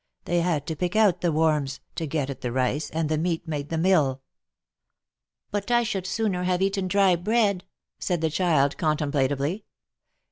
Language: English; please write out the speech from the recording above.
" They had to pick out the worms, to get at the rice, and the meat made them ill." "But I should sooner have eaten dry bread," said the child, contemplatively.